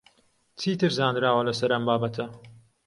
چیتر زانراوە لەسەر ئەم بابەتە؟